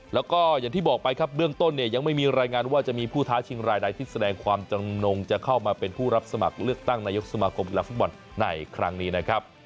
แล้วก็อย่างที่บอกไปครับเบื้องต้นเนี่ยยังไม่มีรายงานว่าจะมีผู้ท้าชิงรายใดที่แสดงความจำนงจะเข้ามาเป็นผู้รับสมัครเลือกตั้งนายกสมาคมกีฬาฟุตบอลในครั้งนี้นะครับ